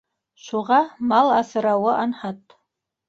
Шуға мал аҫрауы анһат